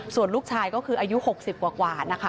ส่วนลูกชายก็คืออายุ๖๐กว่านะคะ